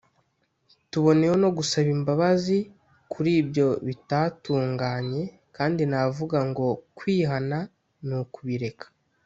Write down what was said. tuboneyeho no gusaba imbabazi kuri ibyo bitatunganye kandi navuga ngo ‘kwihana ni ukubireka’